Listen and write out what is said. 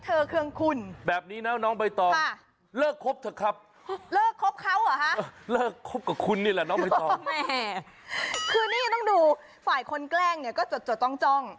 คือคือแบบนี้นะถ้าทำอะไรให้เธอเคลืองคุณ